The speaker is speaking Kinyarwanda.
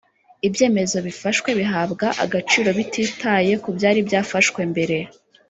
Ibyemezo bifashwe bihabwa agaciro batitaye ku byaribyafashwe mbere